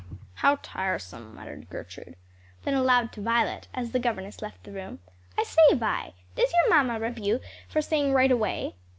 "How tiresome!" muttered Gertrude. Then aloud to Violet, as the governess left the room, "I say, Vi, does your mamma reprove you for saying right away?"